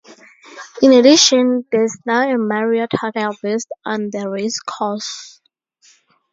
In addition, there's now a Marriott hotel based on the racecourse.